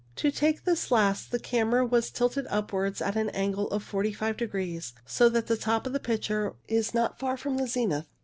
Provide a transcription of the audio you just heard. To take this last the camera was tilted upwards at an angle of 45 degrees, so that the top of the picture is not far from the zenith.